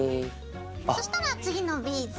そしたら次のビーズ。